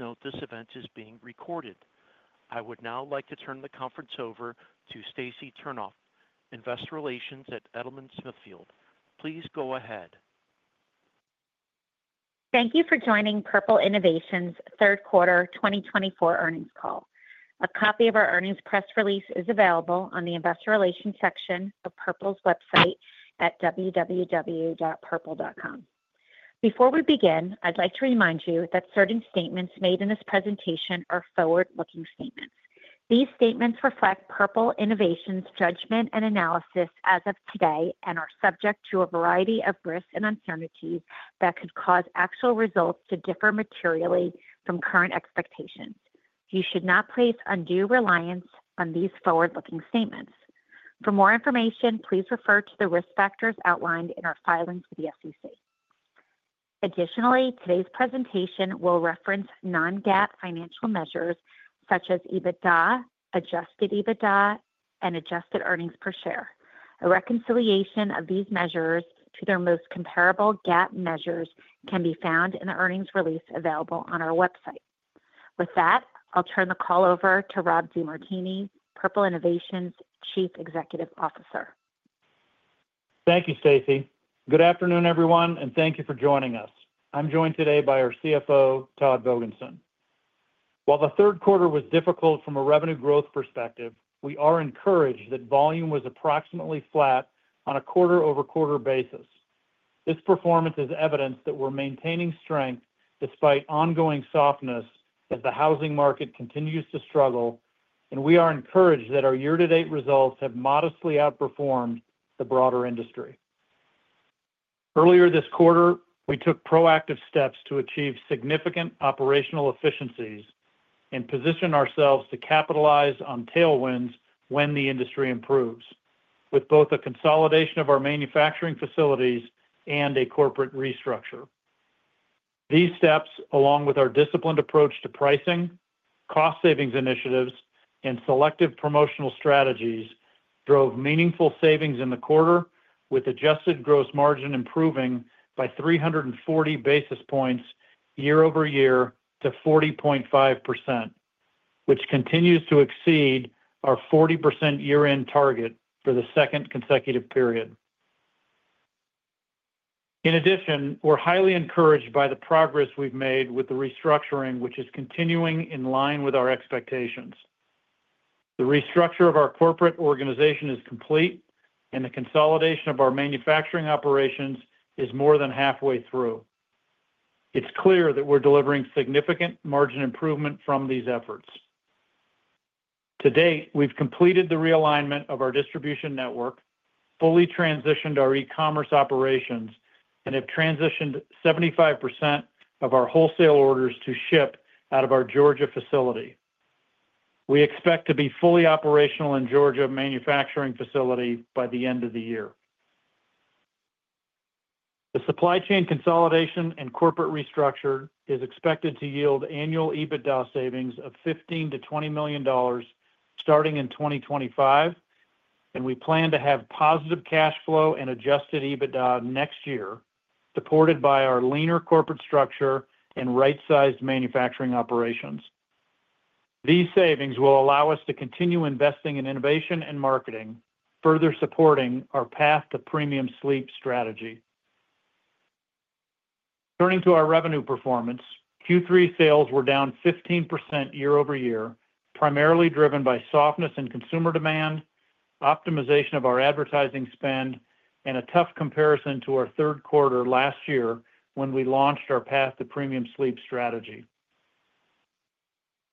Please note this event is being recorded. I would now like to turn the conference over to Stacy Turnof, Investor Relations at Edelman Smithfield. Please go ahead. Thank you for joining Purple Innovation's third quarter 2024 earnings call. A copy of our earnings press release is available on the Investor Relations section of Purple's website at www.purple.com. Before we begin, I'd like to remind you that certain statements made in this presentation are forward-looking statements. These statements reflect Purple Innovation's judgment and analysis as of today and are subject to a variety of risks and uncertainties that could cause actual results to differ materially from current expectations. You should not place undue reliance on these forward-looking statements. For more information, please refer to the risk factors outlined in our filings with the SEC. Additionally, today's presentation will reference non-GAAP financial measures such as EBITDA, adjusted EBITDA, and adjusted earnings per share. A reconciliation of these measures to their most comparable GAAP measures can be found in the earnings release available on our website. With that, I'll turn the call over to Rob DeMartini, Purple Innovation's Chief Executive Officer. Thank you, Stacy. Good afternoon, everyone, and thank you for joining us. I'm joined today by our CFO, Todd Vogensen. While the third quarter was difficult from a revenue growth perspective, we are encouraged that volume was approximately flat on a quarter-over-quarter basis. This performance is evidence that we're maintaining strength despite ongoing softness as the housing market continues to struggle, and we are encouraged that our year-to-date results have modestly outperformed the broader industry. Earlier this quarter, we took proactive steps to achieve significant operational efficiencies and position ourselves to capitalize on tailwinds when the industry improves, with both a consolidation of our manufacturing facilities and a corporate restructure. These steps, along with our disciplined approach to pricing, cost-savings initiatives, and selective promotional strategies, drove meaningful savings in the quarter, with adjusted gross margin improving by 340 basis points year-over-year to 40.5%, which continues to exceed our 40% year-end target for the second consecutive period. In addition, we're highly encouraged by the progress we've made with the restructuring, which is continuing in line with our expectations. The restructure of our corporate organization is complete, and the consolidation of our manufacturing operations is more than halfway through. It's clear that we're delivering significant margin improvement from these efforts. To date, we've completed the realignment of our distribution network, fully transitioned our e-commerce operations, and have transitioned 75% of our wholesale orders to ship out of our Georgia facility. We expect to be fully operational in Georgia manufacturing facility by the end of the year. The supply chain consolidation and corporate restructure is expected to yield annual EBITDA savings of $15-$20 million starting in 2025, and we plan to have positive cash flow and adjusted EBITDA next year, supported by our leaner corporate structure and right-sized manufacturing operations. These savings will allow us to continue investing in innovation and marketing, further supporting our Path to Premium Sleep strategy. Turning to our revenue performance, Q3 sales were down 15% year-over-year, primarily driven by softness in consumer demand, optimization of our advertising spend, and a tough comparison to our third quarter last year when we launched our Path to Premium Sleep strategy.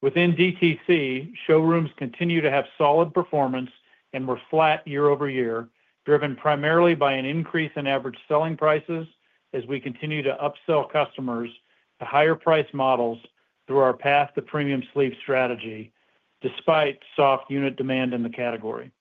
Within DTC, showrooms continue to have solid performance and were flat year-over-year, driven primarily by an increase in average selling prices as we continue to upsell customers to higher-priced models through our Path to Premium Sleep strategy, despite soft unit demand in the category.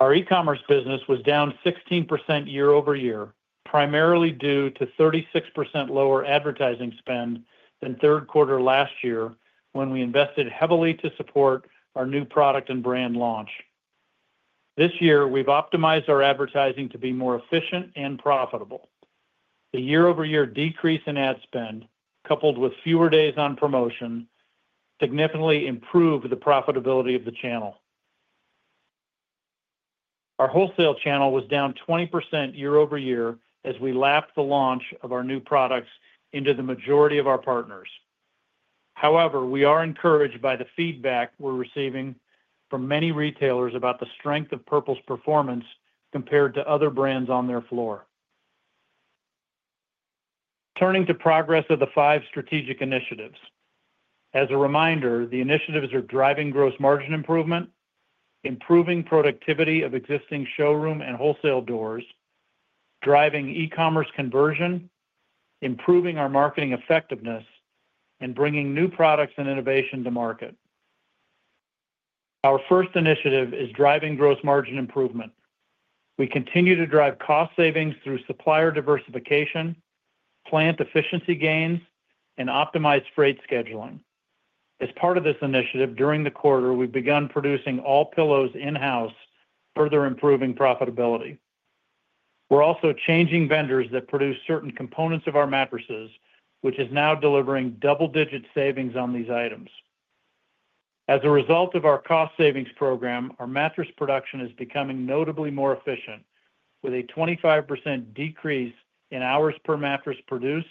Our e-commerce business was down 16% year-over-year, primarily due to 36% lower advertising spend than third quarter last year when we invested heavily to support our new product and brand launch. This year, we've optimized our advertising to be more efficient and profitable. The year-over-year decrease in ad spend, coupled with fewer days on promotion, significantly improved the profitability of the channel. Our wholesale channel was down 20% year-over-year as we lapped the launch of our new products into the majority of our partners. However, we are encouraged by the feedback we're receiving from many retailers about the strength of Purple's performance compared to other brands on their floor. Turning to progress of the five strategic initiatives. As a reminder, the initiatives are driving gross margin improvement, improving productivity of existing showroom and wholesale doors, driving e-commerce conversion, improving our marketing effectiveness, and bringing new products and innovation to market. Our first initiative is driving gross margin improvement. We continue to drive cost savings through supplier diversification, plant efficiency gains, and optimized freight scheduling. As part of this initiative, during the quarter, we've begun producing all pillows in-house, further improving profitability. We're also changing vendors that produce certain components of our mattresses, which is now delivering double-digit savings on these items. As a result of our cost savings program, our mattress production is becoming notably more efficient, with a 25% decrease in hours per mattress produced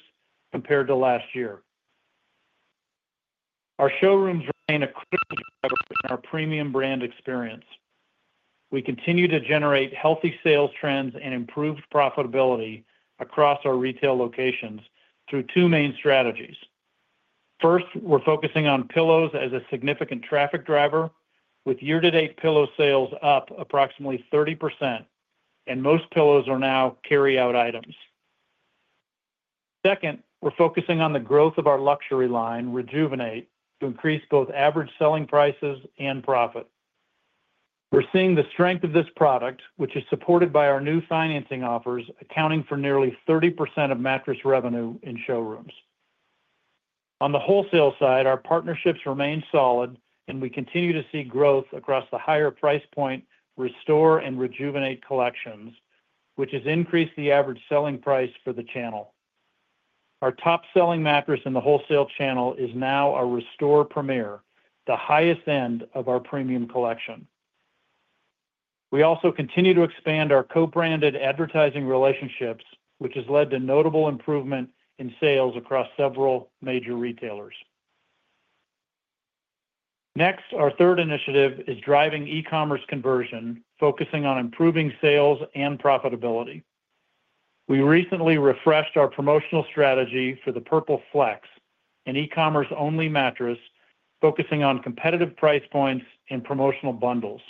compared to last year. Our showrooms remain a clear driver in our premium brand experience. We continue to generate healthy sales trends and improved profitability across our retail locations through two main strategies. First, we're focusing on pillows as a significant traffic driver, with year-to-date pillow sales up approximately 30%, and most pillows are now carry-out items. Second, we're focusing on the growth of our luxury line, Rejuvenate, to increase both average selling prices and profit. We're seeing the strength of this product, which is supported by our new financing offers, accounting for nearly 30% of mattress revenue in showrooms. On the wholesale side, our partnerships remain solid, and we continue to see growth across the higher price point Restore and Rejuvenate collections, which has increased the average selling price for the channel. Our top-selling mattress in the wholesale channel is now our Restore Premier, the highest end of our premium collection. We also continue to expand our co-branded advertising relationships, which has led to notable improvement in sales across several major retailers. Next, our third initiative is driving e-commerce conversion, focusing on improving sales and profitability. We recently refreshed our promotional strategy for the PurpleFlex, an e-commerce-only mattress focusing on competitive price points and promotional bundles.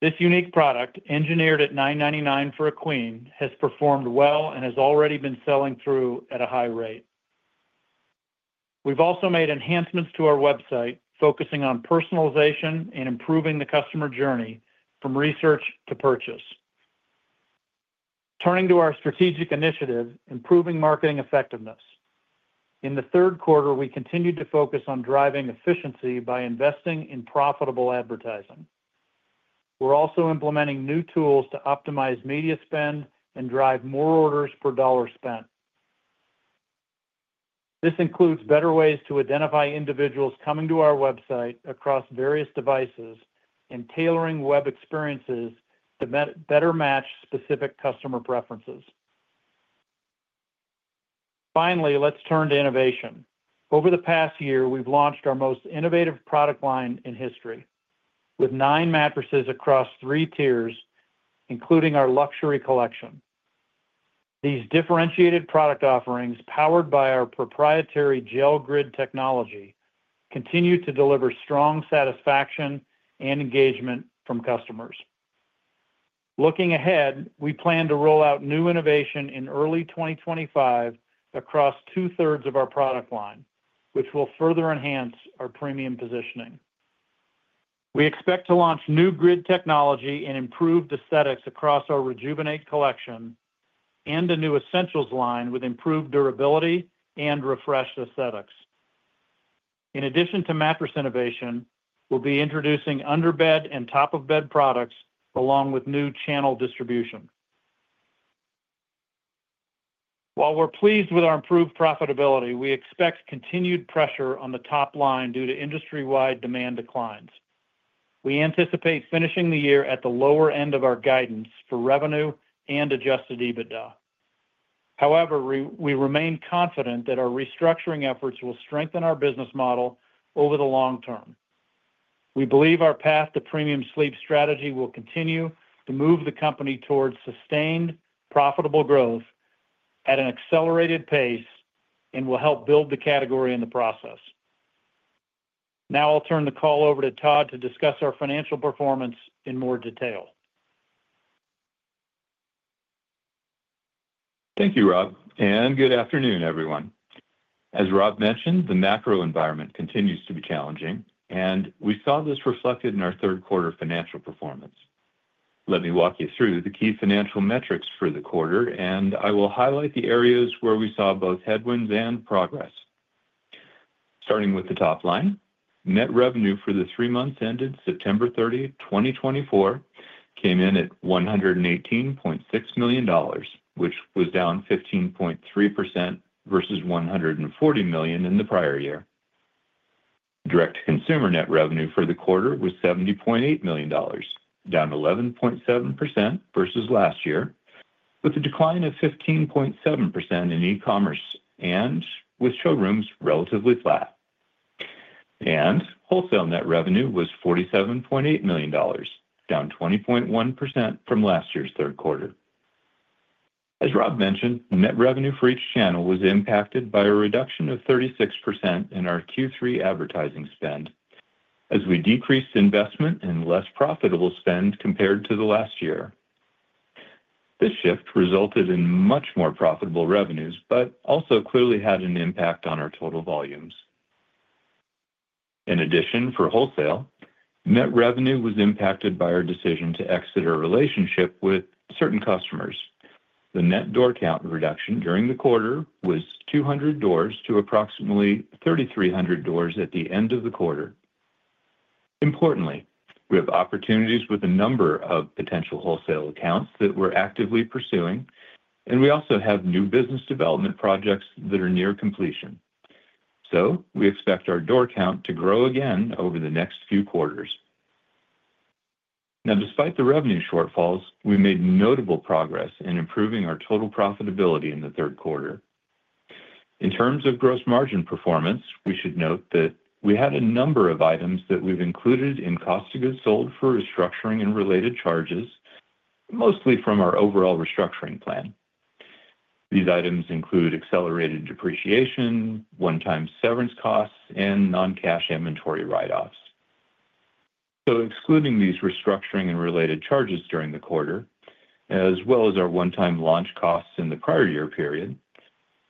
This unique product, engineered at $9.99 for a queen, has performed well and has already been selling through at a high rate. We've also made enhancements to our website, focusing on personalization and improving the customer journey from research to purchase. Turning to our strategic initiative, improving marketing effectiveness. In the third quarter, we continue to focus on driving efficiency by investing in profitable advertising. We're also implementing new tools to optimize media spend and drive more orders per dollar spent. This includes better ways to identify individuals coming to our website across various devices and tailoring web experiences to better match specific customer preferences. Finally, let's turn to innovation. Over the past year, we've launched our most innovative product line in history, with nine mattresses across three tiers, including our luxury collection. These differentiated product offerings, powered by our proprietary GelFlex Grid technology, continue to deliver strong satisfaction and engagement from customers. Looking ahead, we plan to roll out new innovation in early 2025 across two-thirds of our product line, which will further enhance our premium positioning. We expect to launch new grid technology and improved aesthetics across our Rejuvenate collection and a new Essentials line with improved durability and refreshed aesthetics. In addition to mattress innovation, we'll be introducing under-bed and top-of-bed products along with new channel distribution. While we're pleased with our improved profitability, we expect continued pressure on the top line due to industry-wide demand declines. We anticipate finishing the year at the lower end of our guidance for revenue and Adjusted EBITDA. However, we remain confident that our restructuring efforts will strengthen our business model over the long term. We believe our Path to Premium Sleep strategy will continue to move the company towards sustained, profitable growth at an accelerated pace and will help build the category in the process. Now I'll turn the call over to Todd to discuss our financial performance in more detail. Thank you, Rob, and good afternoon, everyone. As Rob mentioned, the macro environment continues to be challenging, and we saw this reflected in our third quarter financial performance. Let me walk you through the key financial metrics for the quarter, and I will highlight the areas where we saw both headwinds and progress. Starting with the top line, net revenue for the three months ended September 30, 2024, came in at $118.6 million, which was down 15.3% versus $140 million in the prior year. Direct consumer net revenue for the quarter was $70.8 million, down 11.7% versus last year, with a decline of 15.7% in e-commerce and with showrooms relatively flat, and wholesale net revenue was $47.8 million, down 20.1% from last year's third quarter. As Rob mentioned, net revenue for each channel was impacted by a reduction of 36% in our Q3 advertising spend as we decreased investment and less profitable spend compared to the last year. This shift resulted in much more profitable revenues but also clearly had an impact on our total volumes. In addition, for wholesale, net revenue was impacted by our decision to exit our relationship with certain customers. The net door count reduction during the quarter was 200 doors to approximately 3,300 doors at the end of the quarter. Importantly, we have opportunities with a number of potential wholesale accounts that we're actively pursuing, and we also have new business development projects that are near completion. So we expect our door count to grow again over the next few quarters. Now, despite the revenue shortfalls, we made notable progress in improving our total profitability in the third quarter. In terms of gross margin performance, we should note that we had a number of items that we've included in cost of goods sold for restructuring and related charges, mostly from our overall restructuring plan. These items include accelerated depreciation, one-time severance costs, and non-cash inventory write-offs. So excluding these restructuring and related charges during the quarter, as well as our one-time launch costs in the prior year period,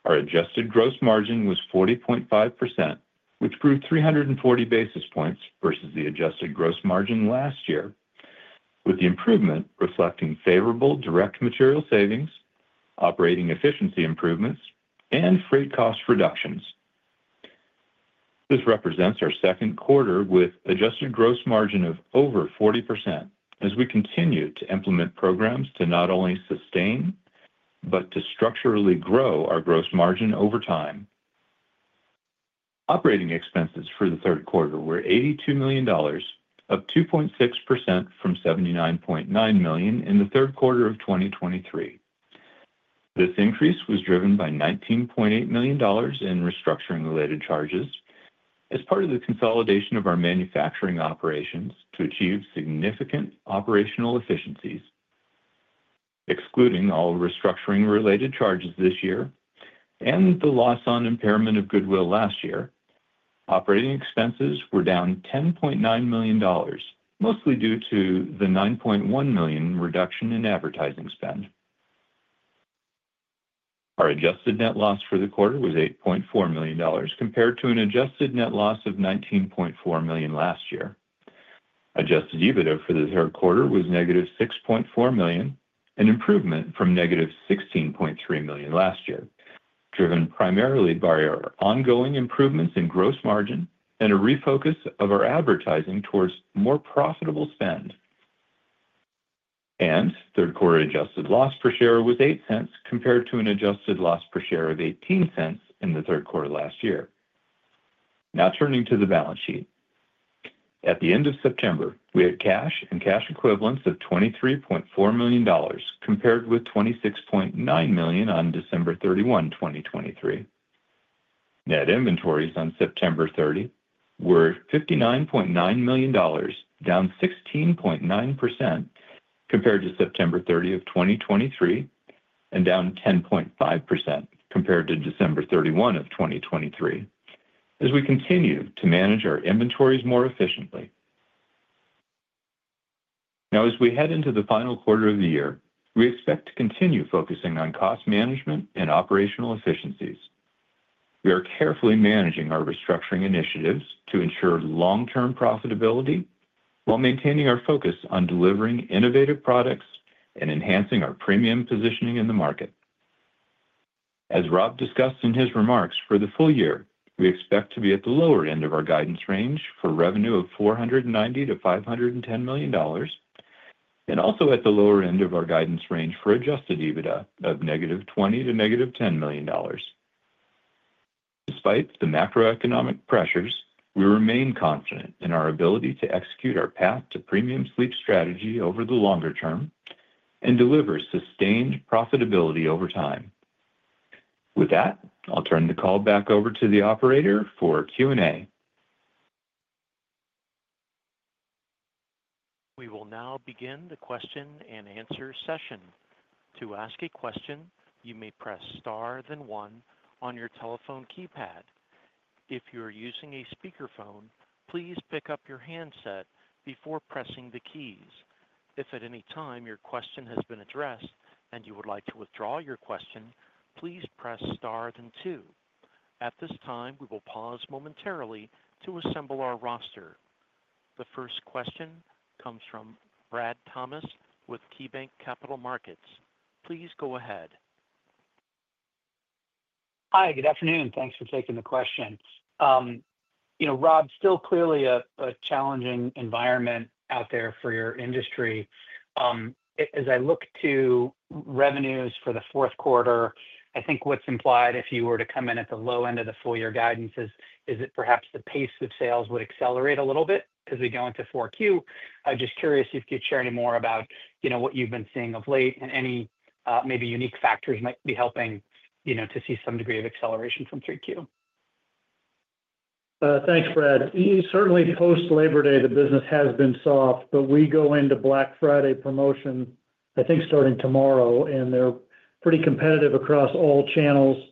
our adjusted gross margin was 40.5%, which grew 340 basis points versus the adjusted gross margin last year, with the improvement reflecting favorable direct material savings, operating efficiency improvements, and freight cost reductions. This represents our second quarter with adjusted gross margin of over 40% as we continue to implement programs to not only sustain but to structurally grow our gross margin over time. Operating expenses for the third quarter were $82 million, up 2.6% from $79.9 million in the third quarter of 2023. This increase was driven by $19.8 million in restructuring-related charges as part of the consolidation of our manufacturing operations to achieve significant operational efficiencies. Excluding all restructuring-related charges this year and the loss on impairment of goodwill last year, operating expenses were down $10.9 million, mostly due to the $9.1 million reduction in advertising spend. Our adjusted net loss for the quarter was $8.4 million compared to an adjusted net loss of $19.4 million last year. Adjusted EBITDA for the third quarter was negative $6.4 million, an improvement from negative $16.3 million last year, driven primarily by our ongoing improvements in gross margin and a refocus of our advertising towards more profitable spend. Third-quarter adjusted loss per share was $0.08 compared to an adjusted loss per share of $0.18 in the third quarter last year. Now turning to the balance sheet. At the end of September, we had cash and cash equivalents of $23.4 million compared with $26.9 million on December 31, 2023. Net inventories on September 30 were $59.9 million, down 16.9% compared to September 30 of 2023 and down 10.5% compared to December 31 of 2023, as we continue to manage our inventories more efficiently. Now, as we head into the final quarter of the year, we expect to continue focusing on cost management and operational efficiencies. We are carefully managing our restructuring initiatives to ensure long-term profitability while maintaining our focus on delivering innovative products and enhancing our premium positioning in the market. As Rob discussed in his remarks for the full year, we expect to be at the lower end of our guidance range for revenue of $490-$510 million and also at the lower end of our guidance range for adjusted EBITDA of negative $20-negative $10 million. Despite the macroeconomic pressures, we remain confident in our ability to execute our Path to Premium Sleep strategy over the longer term and deliver sustained profitability over time. With that, I'll turn the call back over to the operator for Q&A. We will now begin the question and answer session. To ask a question, you may press star then one on your telephone keypad. If you are using a speakerphone, please pick up your handset before pressing the keys. If at any time your question has been addressed and you would like to withdraw your question, please press star then two. At this time, we will pause momentarily to assemble our roster. The first question comes from Brad Thomas with KeyBanc Capital Markets. Please go ahead. Hi, good afternoon. Thanks for taking the question. You know, Rob, still clearly a challenging environment out there for your industry. As I look to revenues for the fourth quarter, I think what's implied if you were to come in at the low end of the full year guidance is that perhaps the pace of sales would accelerate a little bit as we go into 4Q. I'm just curious if you could share any more about what you've been seeing of late and any maybe unique factors might be helping to see some degree of acceleration from 3Q. Thanks, Brad. Certainly, post-Labor Day, the business has been soft, but we go into Black Friday promotion, I think starting tomorrow, and they're pretty competitive across all channels.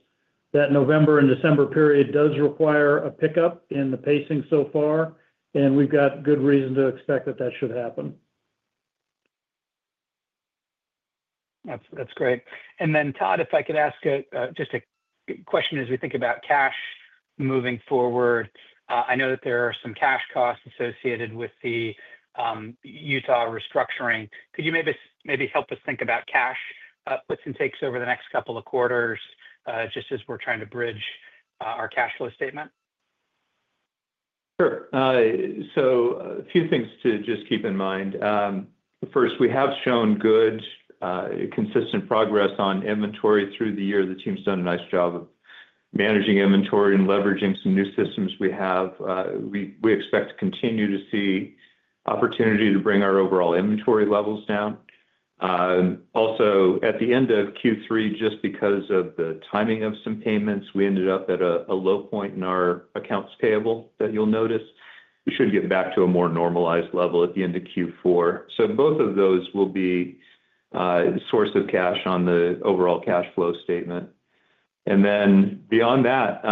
That November and December period does require a pickup in the pacing so far, and we've got good reason to expect that that should happen. That's great. And then, Todd, if I could ask just a question as we think about cash moving forward. I know that there are some cash costs associated with the Utah restructuring. Could you maybe help us think about cash outputs and takes over the next couple of quarters just as we're trying to bridge our cash flow statement? Sure. So a few things to just keep in mind. First, we have shown good, consistent progress on inventory through the year. The team's done a nice job of managing inventory and leveraging some new systems we have. We expect to continue to see opportunity to bring our overall inventory levels down. Also, at the end of Q3, just because of the timing of some payments, we ended up at a low point in our accounts payable that you'll notice. We should get back to a more normalized level at the end of Q4. So both of those will be a source of cash on the overall cash flow statement. And then beyond that,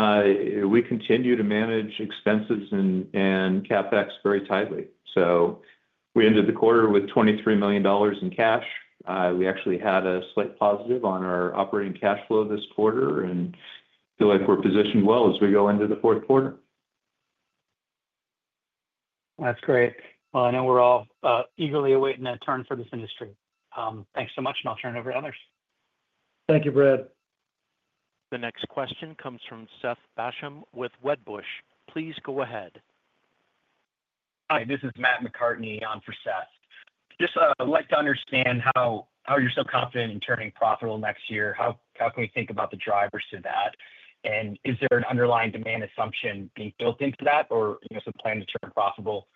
we continue to manage expenses and CapEx very tightly. So we ended the quarter with $23 million in cash. We actually had a slight positive on our operating cash flow this quarter and feel like we're positioned well as we go into the fourth quarter. That's great. Well, I know we're all eagerly awaiting a turn for this industry. Thanks so much, and I'll turn it over to others. Thank you, Brad. The next question comes from Seth Basham with Wedbush. Please go ahead. Hi, this is Matt McCartney, on for Seth. Just, I'd like to understand how you're so confident in turning profitable next year. How can we think about the drivers to that? And is there an underlying demand assumption being built into that or some plan to turn profitable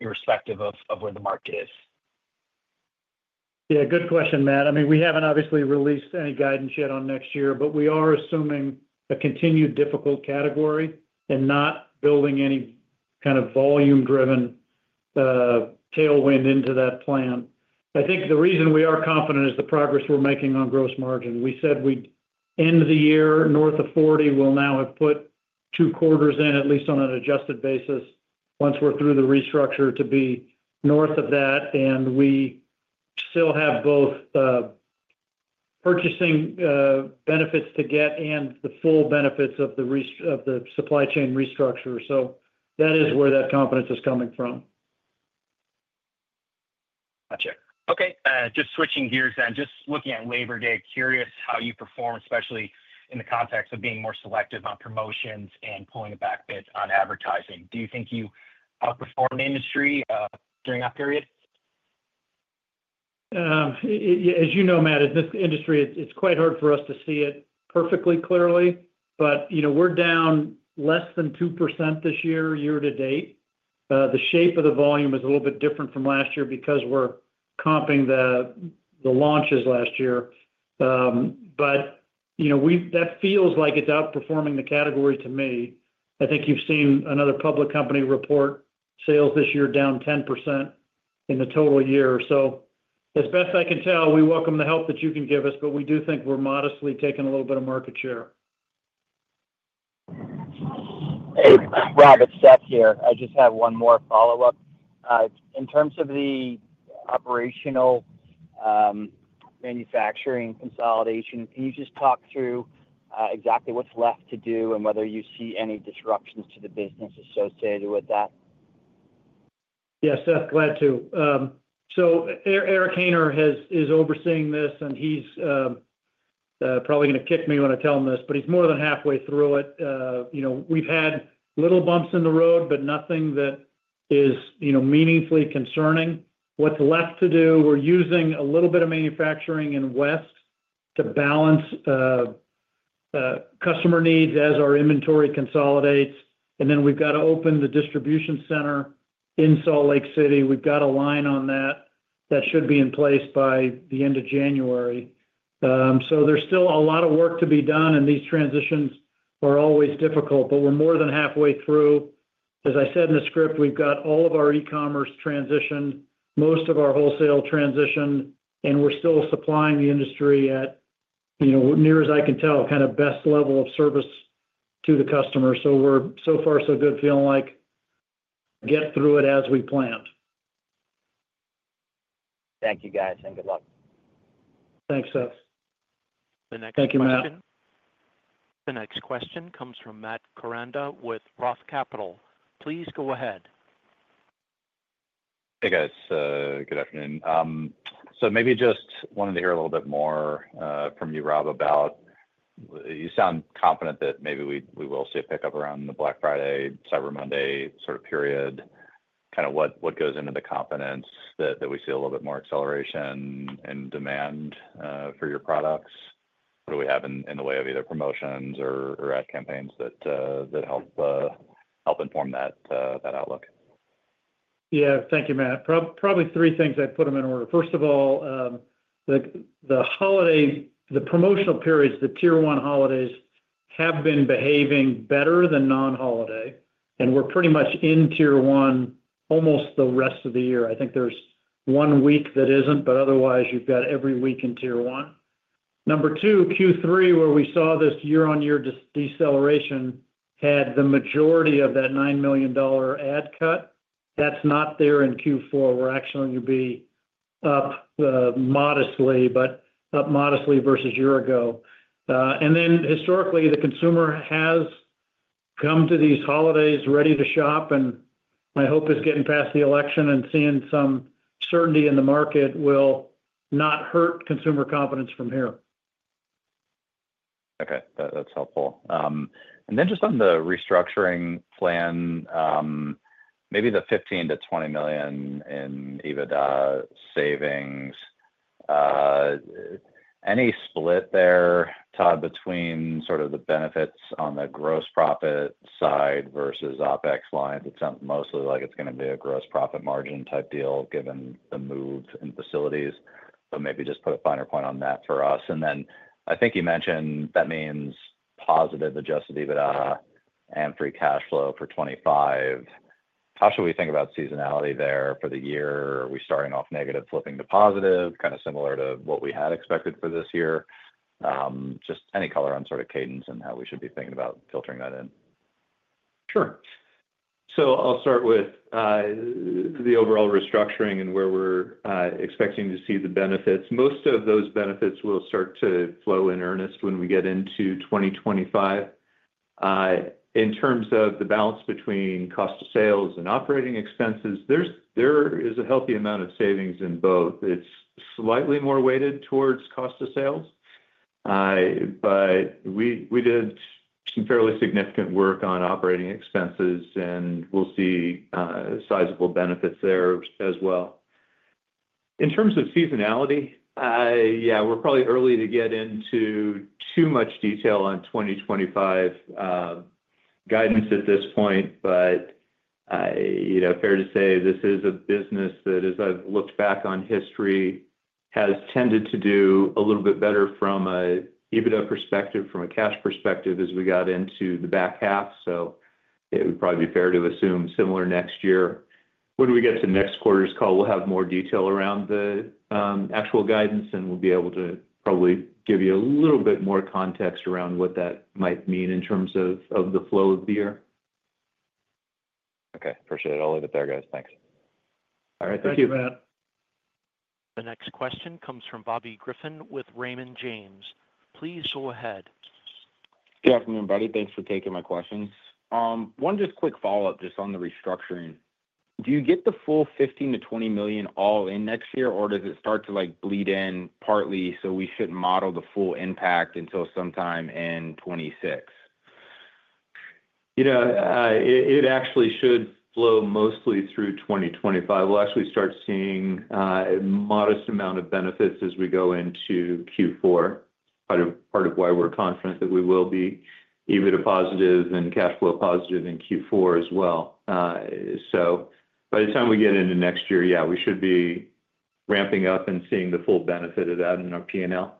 irrespective of where the market is? Yeah, good question, Matt. I mean, we haven't obviously released any guidance yet on next year, but we are assuming a continued difficult category and not building any kind of volume-driven tailwind into that plan. I think the reason we are confident is the progress we're making on gross margin. We said we'd end the year north of 40%. We'll now have put two quarters in, at least on an adjusted basis, once we're through the restructure to be north of that. And we still have both purchasing benefits to get and the full benefits of the supply chain restructure. So that is where that confidence is coming from. Gotcha. Okay. Just switching gears then, just looking at Labor Day, curious how you perform, especially in the context of being more selective on promotions and pulling back a bit on advertising. Do you think you outperformed the industry during that period? As you know, Matt, in this industry, it's quite hard for us to see it perfectly clearly, but we're down less than 2% this year, year to date. The shape of the volume is a little bit different from last year because we're comping the launches last year. But that feels like it's outperforming the category to me. I think you've seen another public company report sales this year down 10% in the total year. So as best I can tell, we welcome the help that you can give us, but we do think we're modestly taking a little bit of market share. Hey, Rob, it's Seth here. I just have one more follow-up. In terms of the operational manufacturing consolidation, can you just talk through exactly what's left to do and whether you see any disruptions to the business associated with that? Yeah, Seth, glad to. So Eric Hayner is overseeing this, and he's probably going to kick me when I tell him this, but he's more than halfway through it. We've had little bumps in the road, but nothing that is meaningfully concerning. What's left to do, we're using a little bit of manufacturing in the West to balance customer needs as our inventory consolidates. And then we've got to open the distribution center in Salt Lake City. We've got a line on that that should be in place by the end of January. So there's still a lot of work to be done, and these transitions are always difficult, but we're more than halfway through. As I said in the script, we've got all of our e-commerce transitioned, most of our wholesale transitioned, and we're still supplying the industry at, near as I can tell, kind of best level of service to the customer. So we're so far, so good, feeling like we'll get through it as we planned. Thank you, guys, and good luck. Thanks, Seth. The next question. Thank you, Matt. The next question comes from Matt Koranda with Roth Capital. Please go ahead. Hey, guys. Good afternoon. So maybe just wanted to hear a little bit more from you, Rob, about. You sound confident that maybe we will see a pickup around the Black Friday, Cyber Monday sort of period. Kind of what goes into the confidence that we see a little bit more acceleration in demand for your products? What do we have in the way of either promotions or ad campaigns that help inform that outlook? Yeah, thank you, Matt. Probably three things. I'd put them in order. First of all, the promotional periods, the tier one holidays, have been behaving better than non-holiday, and we're pretty much in tier one almost the rest of the year. I think there's one week that isn't, but otherwise, you've got every week in tier one. Number two, Q3, where we saw this year-on-year deceleration, had the majority of that $9 million ad cut. That's not there in Q4. We're actually going to be up modestly, but up modestly versus a year ago. And then historically, the consumer has come to these holidays ready to shop, and my hope is getting past the election and seeing some certainty in the market will not hurt consumer confidence from here. Okay. That's helpful. And then just on the restructuring plan, maybe the $15-$20 million in EBITDA savings, any split there, Todd, between sort of the benefits on the gross profit side versus OpEx lines? It sounds mostly like it's going to be a gross profit margin type deal given the move in facilities, but maybe just put a finer point on that for us. And then I think you mentioned that means positive adjusted EBITDA and free cash flow for 2025. How should we think about seasonality there for the year? Are we starting off negative, flipping to positive, kind of similar to what we had expected for this year? Just any color on sort of cadence and how we should be thinking about filtering that in. Sure. So I'll start with the overall restructuring and where we're expecting to see the benefits. Most of those benefits will start to flow in earnest when we get into 2025. In terms of the balance between cost of sales and operating expenses, there is a healthy amount of savings in both. It's slightly more weighted towards cost of sales, but we did some fairly significant work on operating expenses, and we'll see sizable benefits there as well. In terms of seasonality, yeah, we're probably early to get into too much detail on 2025 guidance at this point, but fair to say this is a business that, as I've looked back on history, has tended to do a little bit better from an EBITDA perspective, from a cash perspective as we got into the back half. So it would probably be fair to assume similar next year. When we get to next quarter's call, we'll have more detail around the actual guidance, and we'll be able to probably give you a little bit more context around what that might mean in terms of the flow of the year. Okay. Appreciate it. I'll leave it there, guys. Thanks. All right. Thank you. Thanks, Matt. The next question comes from Bobby Griffin with Raymond James. Please go ahead. Good afternoon, buddy. Thanks for taking my questions. One just quick follow-up just on the restructuring. Do you get the full $15 million-$20 million all in next year, or does it start to bleed in partly so we shouldn't model the full impact until sometime in 2026? It actually should flow mostly through 2025. We'll actually start seeing a modest amount of benefits as we go into Q4, part of why we're confident that we will be EBITDA positive and cash flow positive in Q4 as well. So by the time we get into next year, yeah, we should be ramping up and seeing the full benefit of that in our P&L.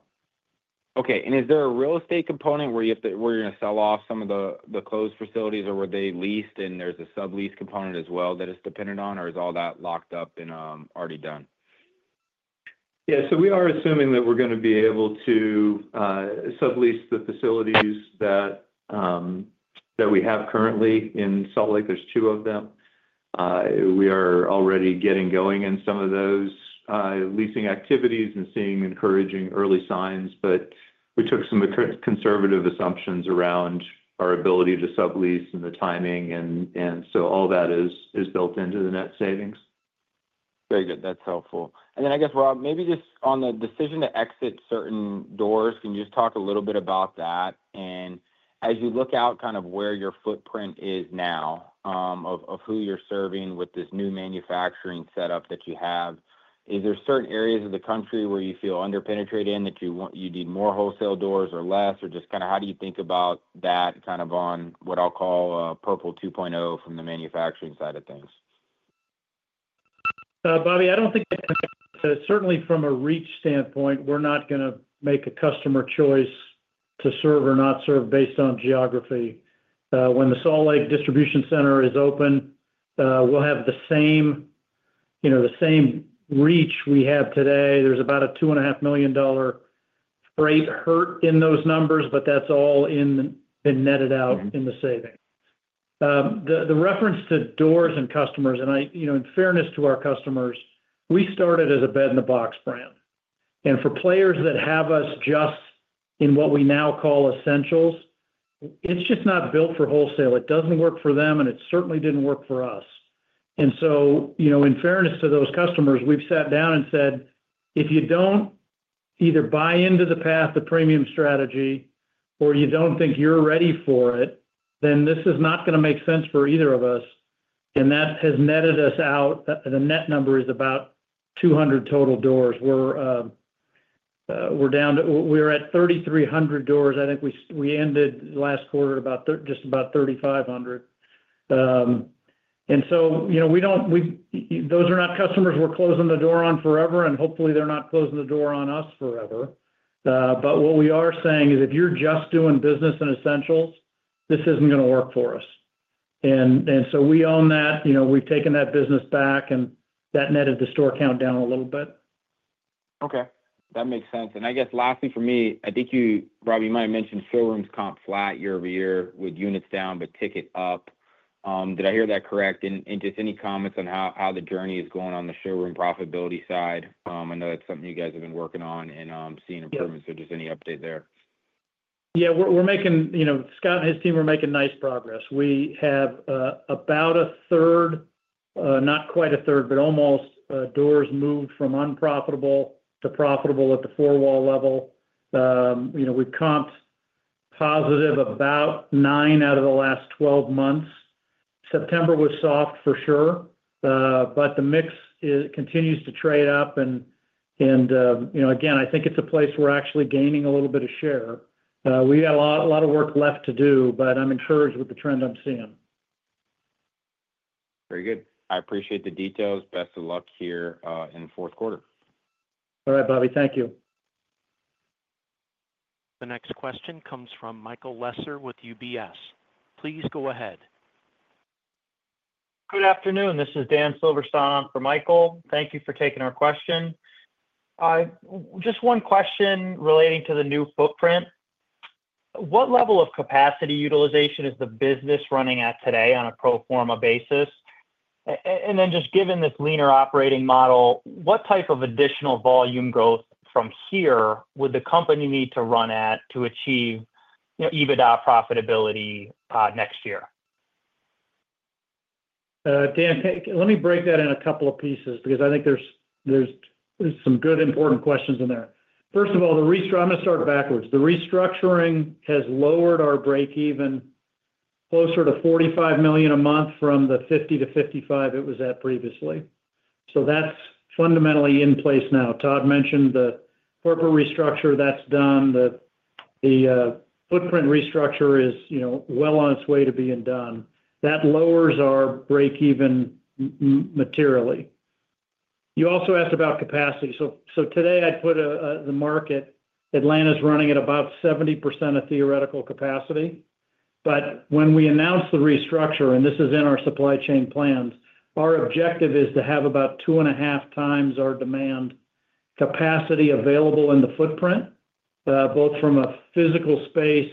Okay. And is there a real estate component where you're going to sell off some of the closed facilities, or were they leased, and there's a sub-lease component as well that it's dependent on, or is all that locked up and already done? Yeah. So we are assuming that we're going to be able to sub-lease the facilities that we have currently in Salt Lake. There's two of them. We are already getting going in some of those leasing activities and seeing encouraging early signs, but we took some conservative assumptions around our ability to sub-lease and the timing. And so all that is built into the net savings. Very good. That's helpful, and then I guess, Rob, maybe just on the decision to exit certain doors, can you just talk a little bit about that, and as you look out kind of where your footprint is now of who you're serving with this new manufacturing setup that you have, is there certain areas of the country where you feel underpenetrated in that you need more wholesale doors or less, or just kind of how do you think about that kind of on what I'll call Purple 2.0 from the manufacturing side of things? Bobby, I don't think that, certainly from a reach standpoint, we're not going to make a customer choice to serve or not serve based on geography. When the Salt Lake distribution center is open, we'll have the same reach we have today. There's about a $2.5 million freight hurt in those numbers, but that's all been netted out in the savings. The reference to doors and customers, and in fairness to our customers, we started as a bed-in-the-box brand, and for players that have us just in what we now call essentials, it's just not built for wholesale. It doesn't work for them, and it certainly didn't work for us. And so in fairness to those customers, we've sat down and said, "If you don't either buy into the path, the premium strategy, or you don't think you're ready for it, then this is not going to make sense for either of us." And that has netted us out. The net number is about 200 total doors. We're down to 3,300 doors. I think we ended last quarter at just about 3,500. And so those are not customers we're closing the door on forever, and hopefully they're not closing the door on us forever. But what we are saying is if you're just doing business in essentials, this isn't going to work for us. And so we own that. We've taken that business back and that netted the store count down a little bit. Okay. That makes sense. And I guess lastly for me, I think you, Rob, you might have mentioned showrooms comp flat year over year with units down but ticket up. Did I hear that correct? And just any comments on how the journey is going on the showroom profitability side? I know that's something you guys have been working on and seeing improvements. So just any update there? Yeah. Scott and his team are making nice progress. We have about a third, not quite a third, but almost doors moved from unprofitable to profitable at the four-wall level. We've comped positive about nine out of the last 12 months. September was soft for sure, but the mix continues to trade up. And again, I think it's a place we're actually gaining a little bit of share. We've got a lot of work left to do, but I'm encouraged with the trend I'm seeing. Very good. I appreciate the details. Best of luck here in fourth quarter. All right, Bobby. Thank you. The next question comes from Michael Lasser with UBS. Please go ahead. Good afternoon. This is Dan Silverstein for Michael. Thank you for taking our question. Just one question relating to the new footprint. What level of capacity utilization is the business running at today on a pro forma basis? And then just given this leaner operating model, what type of additional volume growth from here would the company need to run at to achieve EBITDA profitability next year? Dan, let me break that in a couple of pieces because I think there's some good important questions in there. First of all, I'm going to start backwards. The restructuring has lowered our break-even closer to $45 million a month from the $50-$55 it was at previously. So that's fundamentally in place now. Todd mentioned the corporate restructure that's done. The footprint restructure is well on its way to being done. That lowers our break-even materially. You also asked about capacity. So today I'd put the plant, Atlanta's running at about 70% of theoretical capacity. But when we announced the restructure, and this is in our supply chain plans, our objective is to have about two and a half times our demand capacity available in the footprint, both from a physical space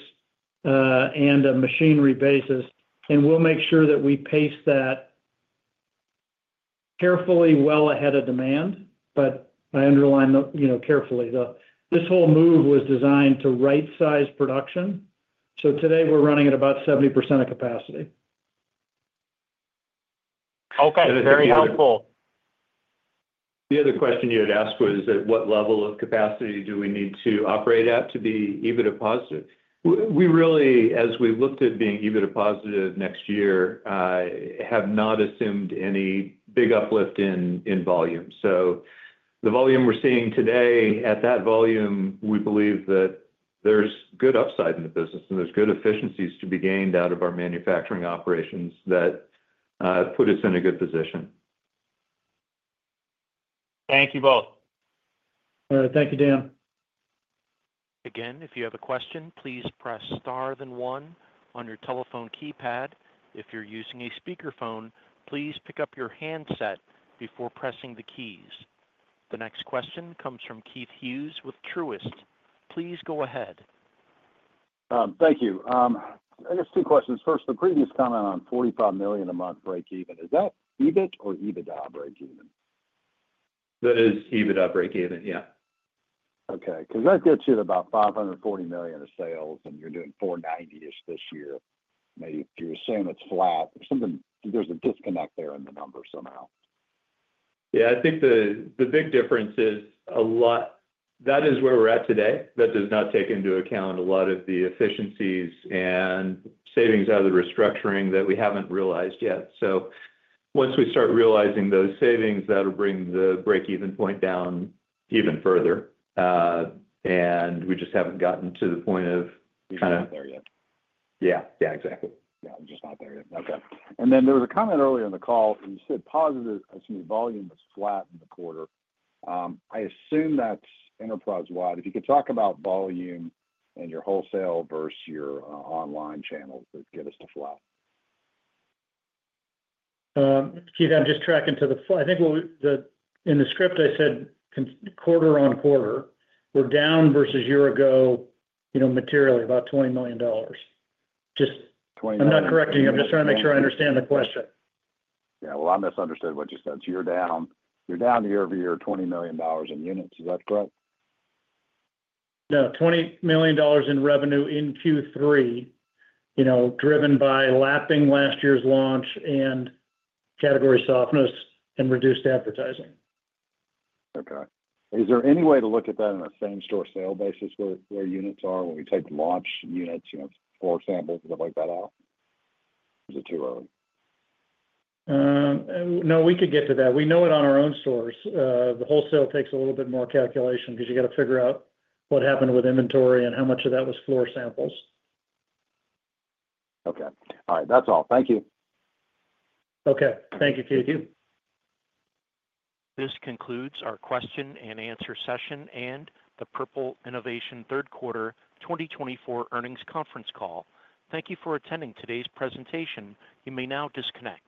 and a machinery basis. And we'll make sure that we pace that carefully well ahead of demand, but I underline carefully. This whole move was designed to right-size production. So today we're running at about 70% of capacity. Okay. Very helpful. The other question you had asked was at what level of capacity do we need to operate at to be EBITDA positive? We really, as we've looked at being EBITDA positive next year, have not assumed any big uplift in volume. So the volume we're seeing today, at that volume, we believe that there's good upside in the business and there's good efficiencies to be gained out of our manufacturing operations that put us in a good position. Thank you both. Thank you, Dan. Again, if you have a question, please press star then one on your telephone keypad. If you're using a speakerphone, please pick up your handset before pressing the keys. The next question comes from Keith Hughes with Truist. Please go ahead. Thank you. I guess two questions. First, the previous comment on $45 million a month break-even, is that EBIT or EBITDA break-even? That is EBITDA break-even, yeah. Okay. Because that gets you to about $540 million of sales and you're doing $490-ish this year. Maybe if you're assuming it's flat, there's a disconnect there in the number somehow. Yeah. I think the big difference is a lot. That is where we're at today. That does not take into account a lot of the efficiencies and savings out of the restructuring that we haven't realized yet. So once we start realizing those savings, that'll bring the break-even point down even further. And we just haven't gotten to the point of kind of. You're not there yet. Yeah. Yeah. Exactly. Yeah. I'm just not there yet. Okay, and then there was a comment earlier in the call. You said volume was flat in the quarter. I assume that's enterprise-wide. If you could talk about volume and your wholesale versus your online channels that get us to flat. Keith, I'm just tracking to the. I think in the script I said, quarter on quarter, we're down versus year ago materially about $20 million. Just. $20 million. I'm not correcting you. I'm just trying to make sure I understand the question. Yeah. Well, I misunderstood what you said. So you're down year over year $20 million in units. Is that correct? No. $20 million in revenue in Q3 driven by lapping last year's launch and category softness and reduced advertising. Okay. Is there any way to look at that on a same-store sale basis where units are when we take launch units, floor samples, and stuff like that out? Is it too early? No, we could get to that. We know it on our own stores. The wholesale takes a little bit more calculation because you got to figure out what happened with inventory and how much of that was floor samples. Okay. All right. That's all. Thank you. Okay. Thank you, Keith. Thank you. This concludes our question and answer session and the Purple Innovation Third Quarter 2024 Earnings Conference Call. Thank you for attending today's presentation. You may now disconnect.